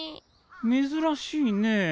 めずらしいねえ。